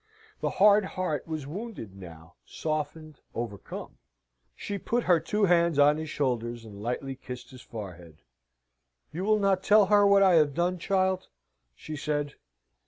The hard heart was wounded now, softened, overcome. She put her two hands on his shoulders, and lightly kissed his forehead. "You will not tell her what I have done, child?" she said.